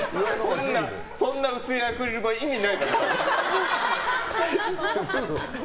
そんな薄いアクリル板意味ないから。